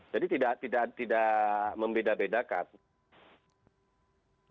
jadi tidak membeda bedakan